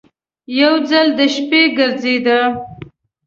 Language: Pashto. یو ځل د شپې ګرځېده.